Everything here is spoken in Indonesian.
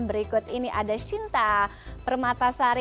berikut ini ada shinta permatasari